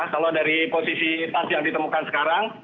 kalau dari posisi tas yang ditemukan sekarang